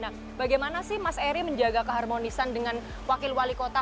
nah bagaimana sih mas eri menjaga keharmonisan dengan wakil wali kota